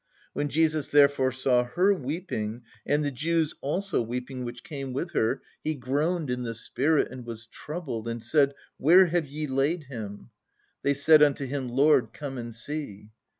"When Jesus therefore saw her weeping, and the Jews also weeping which came with her, He groaned in the spirit and was troubled, "And said, Where have ye laid him? They said unto Him, Lord, come and see.